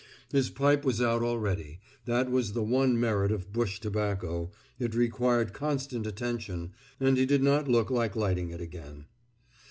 His pipe was out already that was the one merit of bush tobacco, it required constant attention and he did not look like lighting it again.